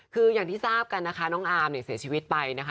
คืออย่างที่ทราบกันนะคะน้องอาร์มเนี่ยเสียชีวิตไปนะคะ